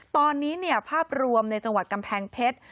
ตอนนี้ภาพรวมในจังหวัดกำแพงเพชร